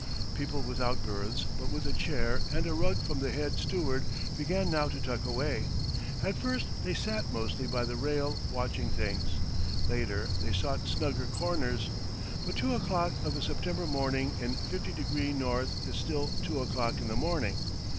People without berths, but with a chair and a rug from the head steward, began now to tuck away. At first they sat mostly by the rail watching things. Later they sought snugger corners; but two o'clock of a September morning in 50° north is still two o'clock in the morning.